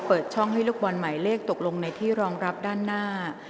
เปิดช่องให้ลูกบอลหมายเลขตกลงในที่รองรับด้านหน้า